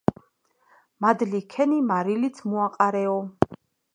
მადლი ჰქენი მარილიც მოაყარეო.